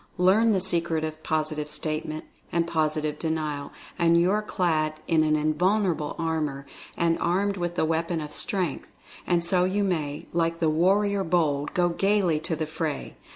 Learn the Secret of Positive Statement, and Positive Denial, and you are clad in an invulnerable armor and are armed with the weapon of Strength — and so you may, like the "Warrior Bold" go "gaily to the fray."